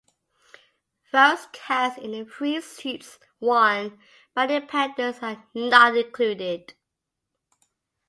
Votes cast in the three seats won by independents are not included.